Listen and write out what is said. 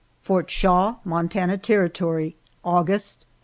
FORT SHAW, MONTANA TERRITORY, August, 1880.